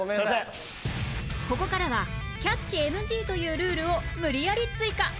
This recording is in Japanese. ここからはキャッチ ＮＧ というルールを無理やり追加